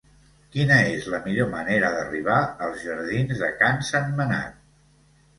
Quina és la millor manera d'arribar als jardins de Can Sentmenat?